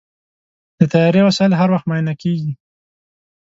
د طیارې وسایل هر وخت معاینه کېږي.